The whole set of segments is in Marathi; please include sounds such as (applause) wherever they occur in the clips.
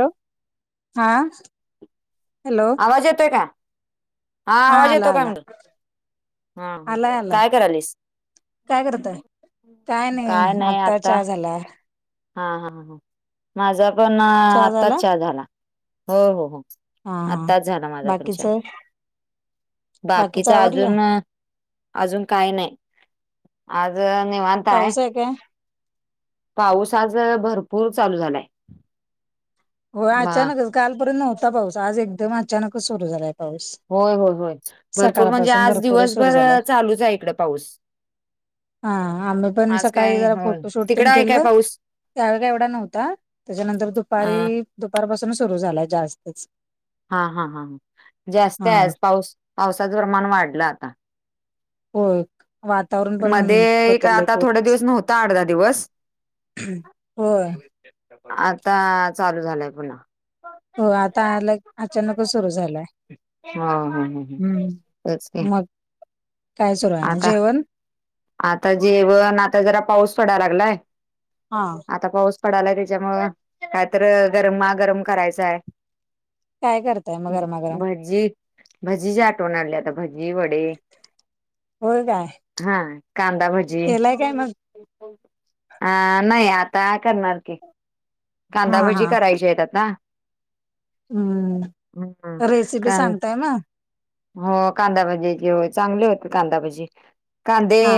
हॅलो हा हॅलो आवाज येतोय का? हा आवाज आला येतो काय आला म्हणलं? हा, आलाय आलाय काय करायलीस? काय करताय? काय नाही आता चहा झाला. हा हा, माझा पण आताच चहा झाला. हो हो हो हा हा आताच झाला माझा पण बाकीच चहा, बाकीच बाकीचा आवरलं अजून अजून काही नाही. आज निवांत पाऊस आहे काय? पाऊस आज भरपूर चालू झालाय. हो हा अचानकच कालपर्यंत नव्हता पाऊस आज एकदम अचानकच सुरू झालाय पाऊस. होय होय होय, भरपूर म्हणजे सकाळपासून आज भरपूरच सुरू दिवसभर झाला चालूच आहे इकडे पाऊस. हा, आम्ही पण आज सकाळी काय जरा होय फोटोशूट तिकडं तेन आहे काय केलं. पाऊस? त्यावेळी काय एवढा नव्हता. त्याच्यानंतर अ दुपारी- दुपारपासून सुरू झालाय जास्तच. हा हा हा, जास्त हा आहे आज पाऊस पावसाचं प्रमाण वाढलं आता. होय वातावरण पण मध्ये एक बदललंय आता थोडे कोच दिवस नव्हता अर्धा दिवस होय. आता चालू झालंय पुन्हा. हो आता आला, अचानकच सुरू झालाय. हो हो हो हम्म, तेच की मग काय सुरू आहे ना आता जेवण? आता जेवण आता जरा पाऊस पडाय लागलाय. हा. आता पाऊस पडालाय त्याच्यामुळ कायतर गरमा गरम करायचाय. काय करताय मग गरमागरम? भजी, भजीची आठवण आल्या आता भजी वडे होय काय? हा, कांदा भजी केलाय काय मग? अ नाही आता करणार की, हा हा कांदाभजी करायच्यात आता. हम्म हम्म, रेसिपी का सांगताय मग? हो कांदाभजी चे हो, चांगले होते कांदा भाजी. कांदे हा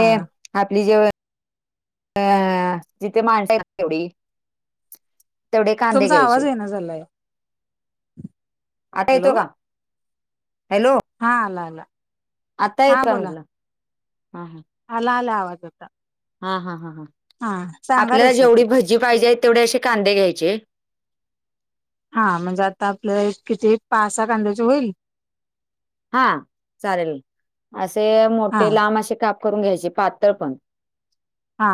आपली जेवन अ, जिथे माणताय तेवढी तेवढे कांदे तुमचा आवाज घ्यायचे. येईना झालाय. आता येतोय हॅलो का? हॅलो हा आला आला आता हा येतोय बोला म्हणलं हम हम आला आला आवाज आता हा हा हा हा सांगा आपल्याला रेसिपी. जेवढी भजी पाहिजेत तेवढे असे कांदे घ्यायचे आहेत हा म्हणजे आता आपल्या हे किती पाच सहा कांद्याचे होईल. हा चालेल असे हा मोठे लांब अशे काप करून घ्यायचे पातळ पण हा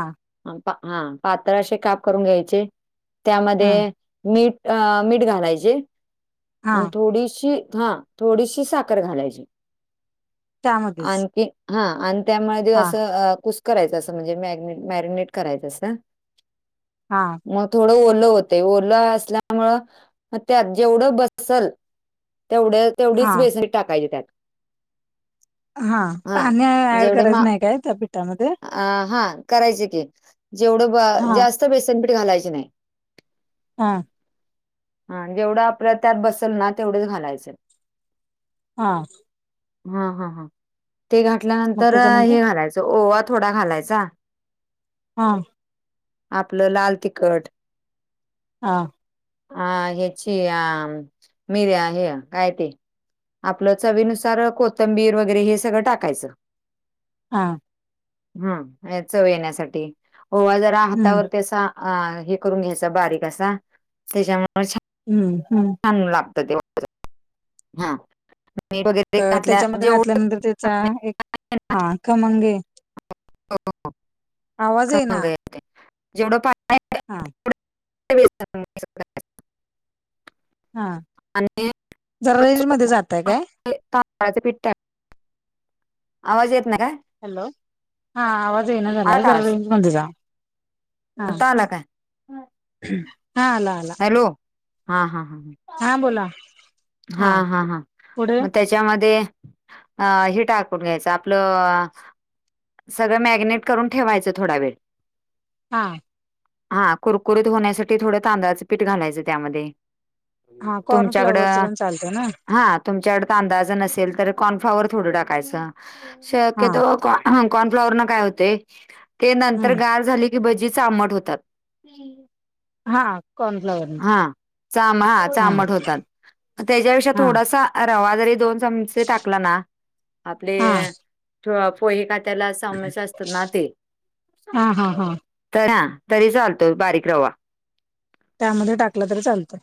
हा पातळ असे काप करून घ्यायचे हम्म त्यामध्ये मीठ मीठ घालायची आणि हा थोडीशी हा थोडीशी साखर साखर घालायची त्यामध्येच आणखीन हा त्यामधी हा असं कुस्कर (inaudible) कुस्करायाचं असं म्हणजे मॅगनेट मॅगनेट करायचं असं हा म थोडं ओल होतय ओल असल्यामुळं म त्यात जेवढं बसल तेवढ हा तेवढीच बेसन टाकायची त्यात. हा हां, पाणी ऍड जेवढे करायचं मा नाही काय त्या पिठामध्ये? अ हा करायच की जेवढं ब हा जास्त बेसनपीठ घालायच नाही. हा हा जेवढं आपलं त्यात बसल ना तेवढच घालायचं. हा हा हा हा ते मग घातल्यानंतर त्याच्यानंतर हे घालायचं ओवा थोडा घालायचा. हा आपलं लाल तिखट हा हा ह्याची अ मीर्या हे काय ते आपलं चवीनुसार कोथंबीर वगैरे हे सगळं टाकायचं. हा हम चव येण्यासाठी ओवा जरा हम्म हातावरती आसा अ हे करून घ्यायच बारीक असा त्याच्यामुळे छान हम हम चागलं लागत ते (inaudible) हा मीठ वगैरे घातल्या त्याच्यामध्ये घातल्यानंतर जेवढं (inaudible) त्याचा एक हा खमंगे (unintelligible) आवाज आहे ना खमंग येतय जेवढं पाणी आहे कनाय (inaudible) हा तेवढ बेसन मिक्स करायचं (unintelligible) हा आणि जरा रेंज मध्ये जाताय काय थोडंसं तांदळाचं पिठ टाकायचं (unintelligible) आवाज येत नाय काय हॅलो हा आवाज येईना आला झालाय. का जरा आवाज रेंजमध्ये जा. हा आता आला काय हा आला आता हॅलो हा हा हा हा हा बोला. हा हा हा पुढे म ते त्याच्या मध्ये हे टाकून घ्यायचं आपलं सगळं मॅगिनेट करून ठेवायचं थोडा वेळ हा हा कुरकुरीत होण्यासाठी थोडं तांदळाचं पीठ घालायचं त्यामध्ये. हा कॉर्न फ्लॉवरच तुमच्याकडं पण चालत ना. हा तुमच्याकड तर तांदळाचं नसेल तर कॉर्नफ्लॉवरच थोड टाकायचं हा शक्यतो ह कॉर्न फ्लॉवर न काय होते. की नंतर हम् गार झाली भजीच (inaudible) आबंट होतात. हा कॉर्नफ्लाॉवर हा चामा (inaudible) हा आंबट होतात. (inaudible) ह्याच्यापेक्षा हा थोडासा रवा जरी दोन चमचे टाकला ना आपले हा तुआ पोहे खात्याला चमचा असत ना ते हा हा हा तर हा तरी चालतो बारीक रवा. त्यामध्ये टाकलं तरी चालतं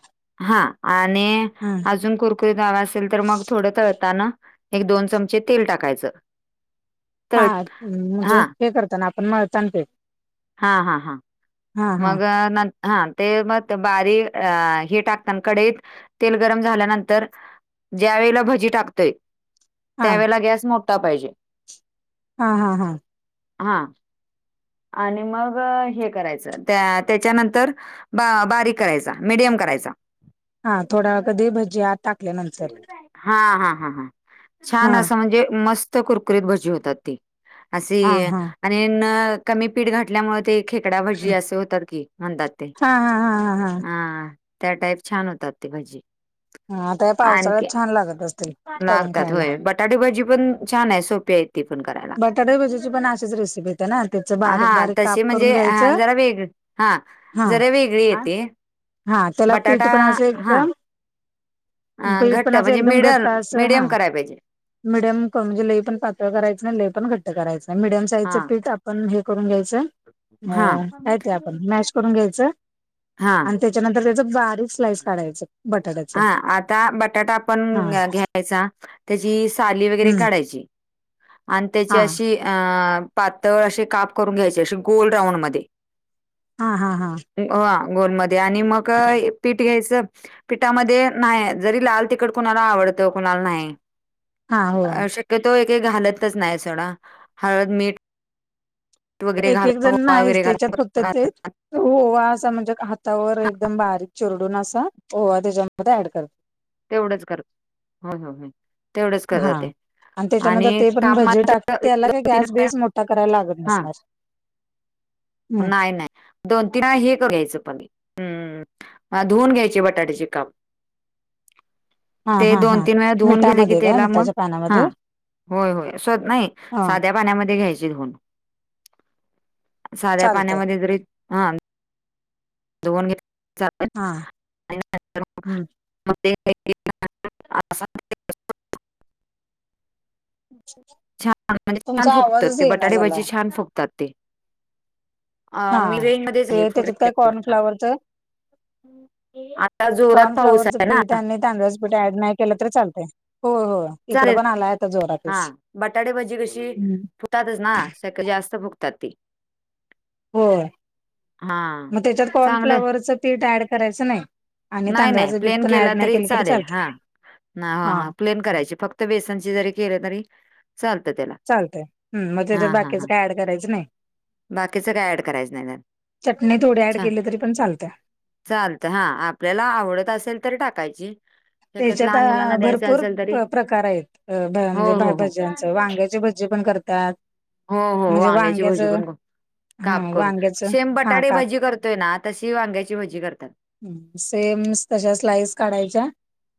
हा आणि हा अजून कुरकुरीत हवा असेल तर मग थोडं तळताना एक दोन चमचे तेल टाकायचं. (inaudible) (inaudible) तळ फ्राय म्हणजे हा हे करताना आपण मळताण ते. हा हा हा हा हा मग नंत हा ते मग ते बारी अ हे टाकताना कढईत तेल गरम झाल्यानंतर ज्या वेळेला भजी टाकतोय, हा त्यावेेळेला गॅस मोठा पाहिजे. हा. हा. हा. हा आणि मग हे करायचं त्या त्याच्यानंतर बारीक करायचा, मिडियम करायचा. हा थोडा वेळ कधी भजी आत टाकल्या नंतर. हा. हा. हा. हा. हा छान असं म्हणजे मस्त- त् कुरकुरीत भजी होतात ती असी हा हा अणि न कमी पीठ घठल्यामुळे ते- खेकडा भजी असं होतात की म्हणतात ते. हा हा हा हा. हा. त्या टाईप छान होतात् ते भाजी. हा आता या पावसाळ्यात छान लागत असतील (inaudible) करुून लागतात खायला. होय बटाटे भजी पण छानाय सोपी आयत् ती पण करायला. बटाटे भजीची पण असेच रेसिपी- त ना त्याचं बारीक हा बारीक काप तशी करून म्हणजे हा घ्यायचं जरा वेग हा हा. जरा वेगळी येते. हा त्याला पीठ बटाटा पण असं हा एकदम. पीठपण घट्ट असं म्हणजे एकदम मिडल घट्ट असं मिडियम हा. कराय पाहिजे. मिडयम कम्जे लई पण पातळ करायचं नाई लई पण घट्ट करायच नाई मिडयम साईजचं हा पीठ आप्- (inaudible) -पण हे करून घ्यायचं न हा काय ते आपण मॅश करून घ्यायचं हा अन्- त्याच्यानंतर त्याचं बारीक स्लाईस काढायचं- बटाट्याचं हा आता बटाटा पण हा घ घ्यायचा- त्याची साली वगैरे हम्म काढायची. आण् त्याची हा अशी अ पातळ अशे काप करून घ्यायचे अशी गोल राऊंड मध्ये. हा हा हा ह गोल मध्ये आणि मगं- पीठ घ्यायचं पीठामध्ये नाई जरी लाल तिकट कुणाला आवडतं कुणाला न्हाई. हा हो शक्यतो एक एक घालतच नाय सोडा हळद, मीठ. वगैरे एक एक घालून जण ओवा न्हाईच वगैरे त्याच्यात घालून फक्त ते- घालतात. ओवा असा म्हणजे हातावर एकदम बारीक चिरडून असा ओवा त्याच्यामध्ये ऍड करत्- तेवढंच कर हो, हो, हो तेवढंच हा करतात ते. त्याच्यानंतर आणि ते पण काप भजी मात् टाक त्याला काही गॅस बेस मोठा करायला लागत (unintelligible) हा नसणार हम्म नाय, नाय. दोन, तीन आ हे क घ्यायचं पाणी अं-अं-अं धुवून घ्यायचे बटाट्याचे काप. हा ते हा हा दोन तीन वेळा धुवून घेतले की मिठामध्ये काय त्याला मग मिठाच्या हा पानामध्ये? होय होय स्वत नाई हा साध्या पाण्यामध्ये घ्यायची धुउन. साध्या चालतय पाण्यामध्ये जरी हा धुउन घेत चा (inaudible) हा (unintelligible) हम्म. (inaudible) (unintelligible) छान म्हणजे छान तुमचा फुकतात आवाजच ते येईना बटाटे झालाय भाजी छान फुकतात ते. अ हा मी रेंज मध्येच ते आहे फुल त्याच्यात काय रेंज. कॉर्नफ्लाॅवरचं. (inaudible) आता जोरात पाऊस कॉर्नफ्लावरचं आहे ना पीठ आणी तांदळाचं पीट ऍड नाय केलं तरी चालतंय. हो हो इकडं चालेल पण आलाय आता जोरात. हा बटाटेभजी कशी फुतातच ना जास्त फुकतात ते. होय, म त्याच्यात चांगलं कॉर्नफ्लावरचं पीट ऍड करायचं नाही. आणि नाई नाय तांदळाचं बीठ प्लेन पण केला ऍड नाही तरी केलं चालेल चालते हा ना हा हा प्लेन करायची फक्त त बेसनची जरी केल तरी चालतं त्याला. चालतंय हम् म त्याच्यात हां, हां, बाकीचं हां. काय ऍड करायचं नाही? बाकीचं काय ॲड करायचं नाही त्यात. (inaudible) चटणी थोडी ऍड अच्छा. केली तरी पण चालतया. चालतं हा आपल्याला आवडत असेल तरी टाकायची. शक्यतो त्याच्यात अ लहान मुलांना द्यायचं भरपूर असेल तरी प्रकार आहेत अ ब् हो, म्हणजे हो, हो. भज्यांच वांग्याची भजी पण करत् त्यात. हो हो वांग्याची भजी पण को काप हा करून, वांग्याच सेम हा बटाटे काप भजी करतोय ना तशी वांग्याची भजी करतात. ह सेम तशा स्लाईस काढायच्या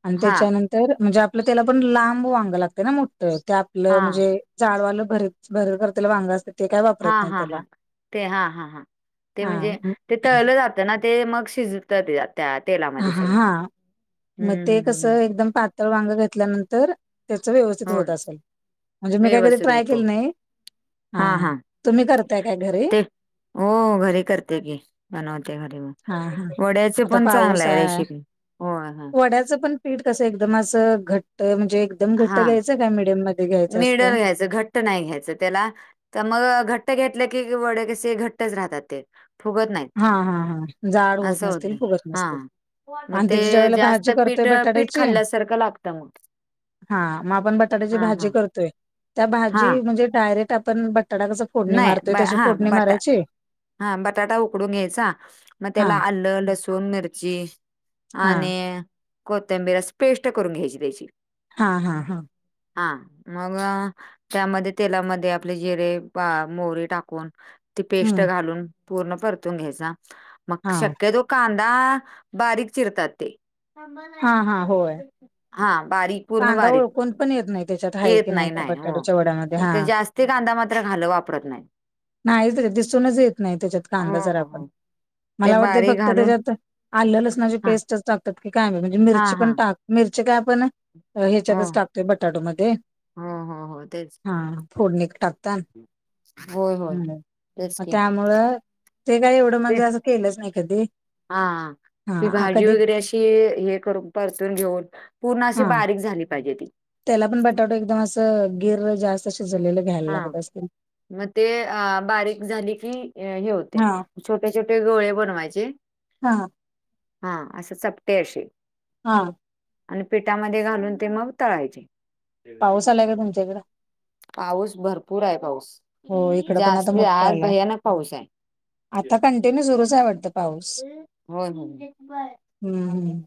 आणि हां, त्याच्यानंतर म्हणजे आपलं त्याला पण लांब वांग लागते ना मोठं ते आपलं हां. म्हणजे जाडवालं भरत भर करतील भांगा असत हा हा हा ते हा हा हा ते हा म्हणजे ते तळलं जात त्यांना ते मग शिजत तेयात त्या तेला. हा मग ते हं, हं. कसं एकदम पातळ वांग घेतल्यानंतर त्याच व्यवस्थित होत होय, असेल, म्हणजे मी काय कधी व्यवस्थित ट्राय होतो. केलं नाही. हा हां, हां. तुम्ही करताय काय घरी? ते हो घरी करते की बनवते घरी मी, हा हा वड्याच. आता पाऊस हा, वड्याच पण पीठ कसं एकदमचं अस घट्ट म्हणजे एकदम घट्ट हा घ्यायचं काय मिडियम मध्ये घ्यायच. मिडल घ्यायचं घट ट्ट नाही घ्यायच त्याला तर मग घट्ट घेतलं की वडे कसे घट्टच राहतात ते. फुगत नाही. हा हा हा जाड होत नसतील, फुगत हा. नसतील. मग आणि ते त्याची ज्या वेळेला जास्त भाजी करतोय पीठ, पीठ बटाट्याची खाल्ल्यासारखं लागतं. हा मग आपण बटाट्याची हा भाजी हा. करतोय त्या हा भाजी म्हणजे डायरेक्ट आपण बटाटा कस फोडणी नाही मारतोय ब तशी हा फोडणी बटा मारायची. हा बटाटा उकडून घ्यायचा. मग हा त्याला आलं, लसूण, मिरची हा आणि कोथंबीर असे पेष्ट करून घ्यायची त्याची. हा हा हा. हा, मग त्यामध्ये, तेलामध्ये आपले जिरे बा मोरी टाकून पेस्ट हम्म घालून, पूर्ण परतून घ्यायचा. मग हा शक्यतो कांदा बारीक चिरतात ते. हा हा होय हा बारीक. पूर्ण कांदा बारीक. ओळखून पण येत नाही त्याच्यात आहे येत की नाही, त्या नाही. हो. बटाटोच्या वड्यामध्ये हा ते जास्ती कांदा मात्र घालू आप पूरत नाही. नाही ते दिसूनच येत नाही, त्याच्यात. हो कांदा जरा हो पण. हो ते मला वाटतं, बारीक फक्त घालून त्याज्यात आलं - लसणाची हा पेस्टच टाकतात की काय? म्हणजे हा मिरची हा पण टा मिरची काय पण हो ह्याच्यातच टाकतोय, बटाटोमध्ये. हो हो हो तेच हा फोडणीत टाक ता. होय होय हम्, तेच मग की त्यामुळं ते काय एवढं ते, म्हणजे, असं केलंच नाही कधी. हा, कधी कि, हे करून, परतून घेऊन. पूर्ण अशी हा बारीक झाली पाहिजे ती. त्याला पण बटाटो एकदम असं, गिर जास्त शिजलेलं घ्यायला लागत असतं. म ते, अ बारीक झाली की, अ हे होत ते. हा. छोटे छोटे गोळे बनवायचे. हा हा, असं चपटे अशे. हा. आणि पिठामध्ये घालून ते मग तळायचे. पाऊस आलाय का तुमच्याकडं? पाऊस, भरपूराय पाऊस. हो, इकडं पण आता जास्ती मोठ्ठा आज आलाय. भयानक पाऊस आहे. आता कंटि न्यु सुरूच हाय वाटतं पाऊस. होय, होय. हम्म, हम्म.